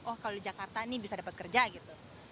oh kalau di jakarta nih bisa dapat kerja gitu